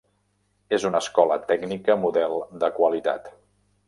És una escola tècnica model de qualitat.